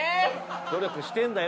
「努力してんだよ